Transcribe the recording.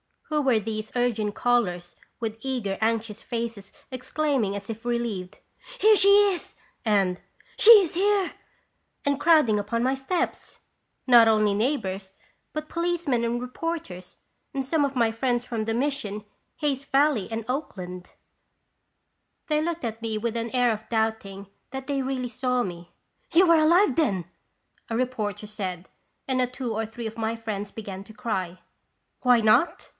Who were these urgent callers, with eager, anxious faces, exclaiming, as if relieved, " Here she is!" and "She is here!" and crowding upon my steps? Not only neighbors, but po licemen and reporters and some of my friends from the Mission, Hayes Valley and Oakland! 204 31 (fi>raci0ns bisitation. They looked at me with an air of doubting that they really saw me. "You are alive, then!" a reporter said, and two or three of my friends began to cry. "Why not?"